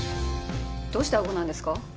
どうしてあごなんですか？